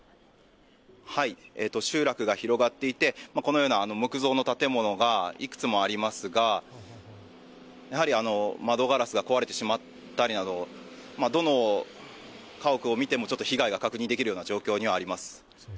集落が広がっていて、このような木造の建物がいくつもありますが、窓ガラスが壊れてしまったりなど、どの家屋を見ても被害が確認できるような状況にはあります。